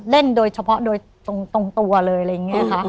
เล่นโดยเฉพาะโดยตรงตัวเลย